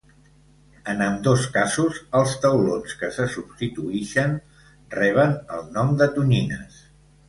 En ambdós casos els taulons que se substitueixen reben el nom de tonyines.